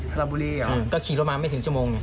สรบุรีหรอ